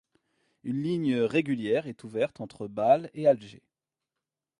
Une ligne régulière est ouverte entre Bâle et Alger.